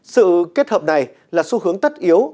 sự kết hợp này là xu hướng tất yếu